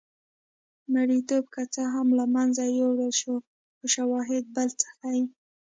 مریتوب که څه هم له منځه یووړل شو خو شواهد بل څه ښيي.